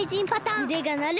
うでがなる。